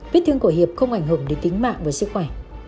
vết thương của hiệp không ảnh hưởng đến tính mạng và sức khỏe